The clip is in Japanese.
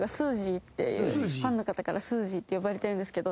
ファンの方からスージーって呼ばれてるんですけど。